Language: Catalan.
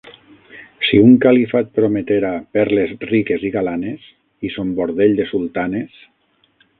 Si un califa et prometera perles riques i galanes, i son bordell de sultanes